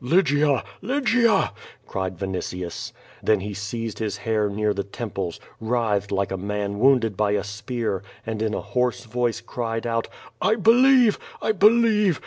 "Lygia! Lygia!" cried Vinitius. Then he seized his hair near the temples, writhed like a man wounded by a spear, and in a hoarse voice cried out: "I believe! I believe!